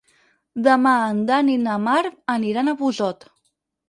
Demà en Dan i na Mar aniran a Busot.